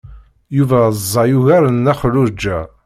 Yuba ẓẓay ugar n Nna Xelluǧa.